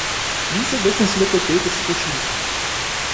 Diese Wissenslücke gilt es zu schließen.